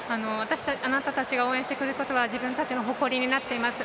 あなたたちが応援してくれることは自分たちの誇りになっています。